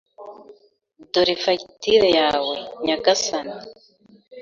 Dore fagitire yawe, nyagasani.